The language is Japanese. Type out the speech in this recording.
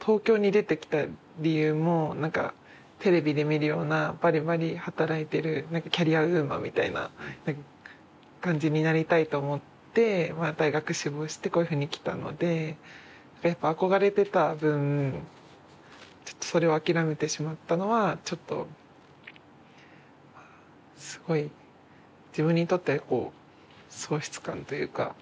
東京に出てきた理由も何かテレビで見るようなバリバリ働いているキャリアウーマンみたいな感じになりたいと思って、大学志望して、こういうふうに来たので、憧れていた分、ちょっとそれを諦めてしまったのはすごい自分にとって喪失感というか。